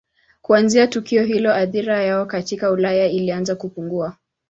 Kuanzia tukio hilo athira yao katika Ulaya ilianza kupungua.